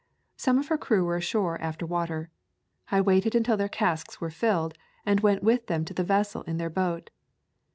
Some of her crew were ashore after water. I waited until their casks were filled, and went with them to the vessel in their boat.